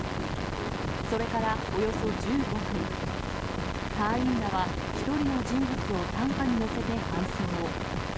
それからおよそ１５分、隊員らは１人の人物を担架に乗せて搬送。